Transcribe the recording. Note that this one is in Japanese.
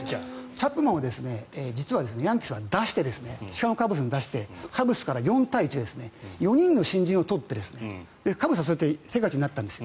チャップマンは実はヤンキースは出してシカゴ・カブスに出してカブスから４対１で４人の新人を取ってカブスはそうやって世界一になったんです。